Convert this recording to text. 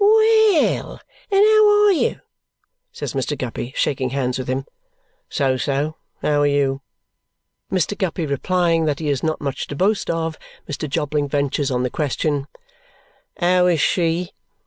"Well, and how are you?" says Mr. Guppy, shaking hands with him. "So, so. How are you?" Mr. Guppy replying that he is not much to boast of, Mr. Jobling ventures on the question, "How is SHE?"